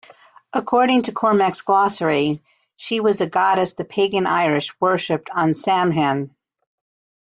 According to "Cormac's Glossary", she was a goddess the pagan Irish worshipped on Samhain.